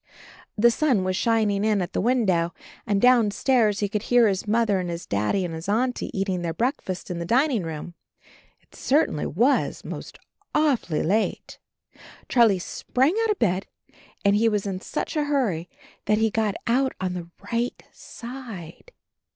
The sun was shining in at the window, and down stairs he could hear his Mother and his Daddy and his Auntie eating their break fast in the dining room. It certainly was most awfully late. Charlie sprang out of bed and he was in such a hurry that he got out on the right side.